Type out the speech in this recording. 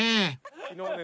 昨日ね